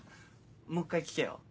もう１回聞けよ。